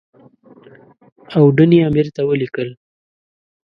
اوډني امیر ته ولیکل.